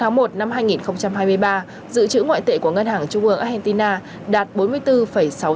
trong tháng một năm hai nghìn hai mươi ba dự trữ ngoại tệ của ngân hàng trung quốc argentina đạt bốn mươi bốn sáu tỷ usd